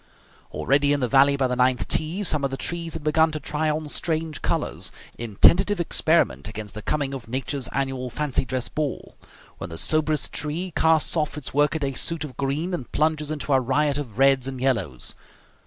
Already, in the valley by the ninth tee, some of the trees had begun to try on strange colours, in tentative experiment against the coming of nature's annual fancy dress ball, when the soberest tree casts off its workaday suit of green and plunges into a riot of reds and yellows.